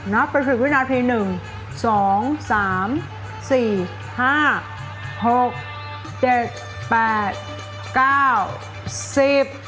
นับไปถึงวินาทีหนึ่งสองสามสี่ห้าหกเจ็ดแปดเก้าสิบ